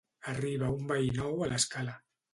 Arriba un veí nou a l’escala.